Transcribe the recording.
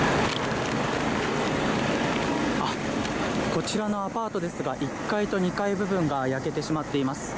こちらのアパートですが１階と２階部分が焼けてしまっています。